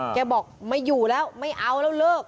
บอกไม่อยู่แล้วไม่เอาแล้วเลิก